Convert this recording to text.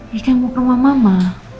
ya kan mau ke rumah mama